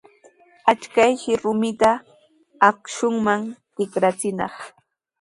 Achkayshi rumita akshuman tikrachinaq.